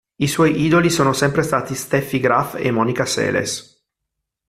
I suoi idoli sono sempre stati Steffi Graf e Monica Seles.